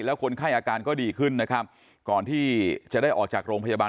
แล้วคนไข้อาการก็ดีขึ้นนะครับก่อนที่จะได้ออกจากโรงพยาบาล